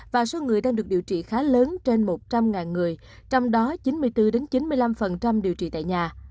và số người đang được điều trị khá lớn trên một trăm linh người trong đó chín mươi bốn chín mươi năm điều trị tại nhà